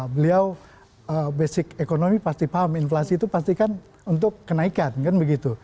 beliau basic economy pasti paham inflasi itu pastikan untuk kenaikan kan begitu